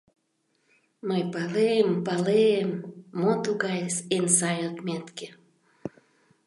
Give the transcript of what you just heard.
— Мый палем, палем, мо тугай эн сай отметке!